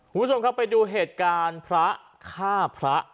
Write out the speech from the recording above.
คุณผู้ชมครับไปดูเหตุการณ์พระฆ่าพระ